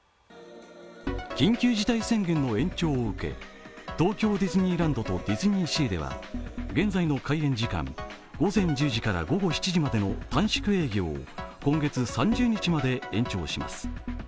緊急事態宣言の延長を受け東京ディズニーランドとディズニーシーでは現在の開園時間、午前１０時から午後７時までの短縮営業を今月３０日まで延長します。